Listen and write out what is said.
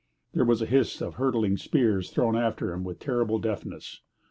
There was a hiss of hurtling spears thrown after him with terrible deftness.